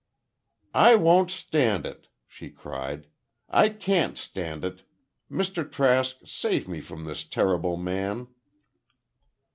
"I won't stand it!" she cried, "I can't stand it! Mr. Trask, save me from this terrible man!"